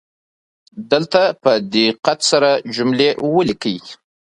دلته په دقت سره جملې ولیکئ